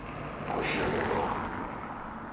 Koshi yawedoka